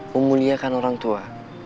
memuliakan orang tua